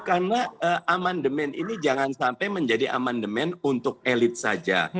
karena amandemen ini jangan sampai menjadi amandemen untuk elit saja